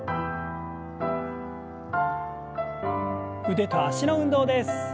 腕と脚の運動です。